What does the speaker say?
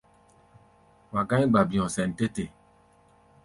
Wa gá̧í̧ gba-bi̧ɔ̧ sɛn tɛ́ te.